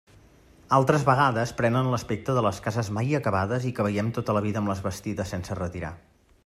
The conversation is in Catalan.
Altres vegades prenen l'aspecte de les cases mai acabades i que veiem tota la vida amb les bastides sense retirar.